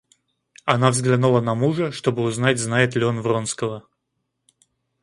Она взглянула на мужа, чтоб узнать, знает ли он Вронского.